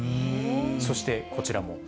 そしてこちらも。